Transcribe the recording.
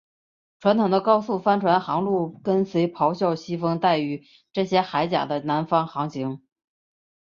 传统的高速帆船航路跟随咆哮西风带于这些海岬的南方航行。